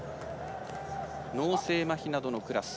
脳性まひなどのクラス。